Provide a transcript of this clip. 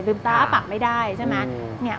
ลืมตาอ้าปะไม่ได้ใช่ไหม